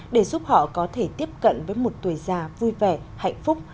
để giúp họ có thể tiếp cận với một tuổi già vui vẻ hạnh phúc